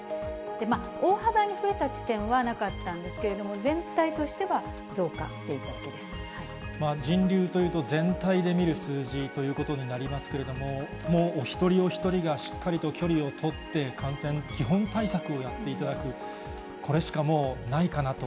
大幅に増えた地点はなかったんですけれども、全体としては増加し人流というと、全体で見る数字ということになりますけれども、もうお一人お一人がしっかり距離を取って、感染、基本対策をやっていただく、これしかもうないかなと。